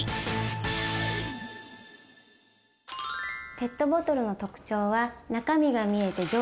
ペットボトルの特徴は中身が見えて丈夫なことです。